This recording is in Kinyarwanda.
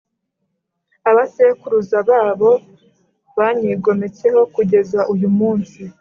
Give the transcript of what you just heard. abasekuruza babo banyigometseho kugeza uyu munsi